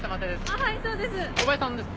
あっはいそうです。